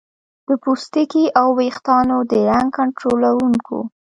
د پوستکي او ویښتانو د رنګ کنټرولونکو